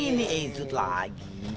ini ada satu lagi